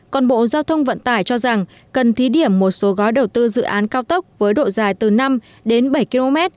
còn bộ giao thông vận tải cho rằng cần thí điểm một số gói đầu tư dự án cao tốc với độ dài từ năm đến bảy km